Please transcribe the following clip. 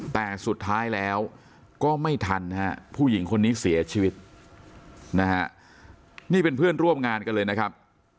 แต่สุดท้ายแล้วก็ไม่ทันฮะผู้หญิงคนนี้เสียชีวิตนะฮะนี่เป็นเพื่อนร่วมงานกันเลยนะครับ